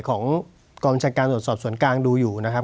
ของกรมชัดการสดสอบส่วนกลางดูอยู่นะครับ